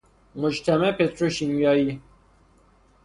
مجتمع پتروشیمیائی